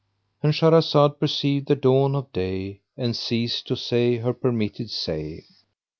And Shahrazed perceived the dawn of day and ceased to say her permitted say.